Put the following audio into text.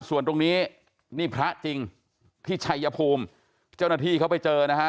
ส่วนตรงนี้นี่พระจริงที่ชัยภูมิเจ้าหน้าที่เขาไปเจอนะฮะ